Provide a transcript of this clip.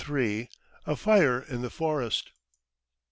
A FIRE IN THE FOREST.